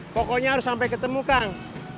pokoknya harus sampai ketemu kang